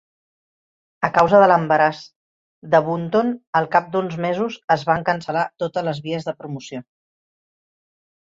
A causa de l'embaràs de Bunton, al cap d'uns mesos es van cancel·lar totes les vies de promoció.